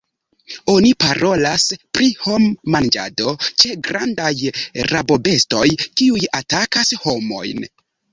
Oni parolas pri hom-manĝado ĉe grandaj rabobestoj, kiuj atakas homojn.